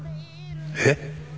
えっ？